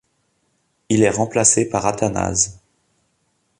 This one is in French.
Il est remplacé par Athanase.